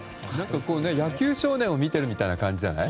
野球少年を見てるみたいな感じじゃない。